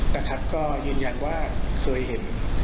ประทัดก็ยืนยันว่าเคยเห็น